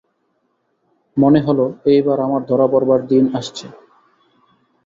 মনে হল, এইবার আমার ধরা পড়বার দিন আসছে।